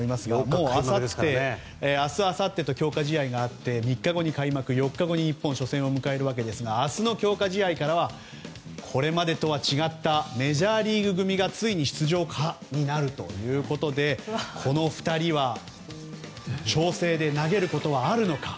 もう明日、あさってと強化試合があって３日後に開幕、４日後に日本は初戦を迎えますが明日の強化試合からはこれまでとは違ったメジャーリーグ組がついに出場可になるということでこの２人は調整で投げることはあるのか。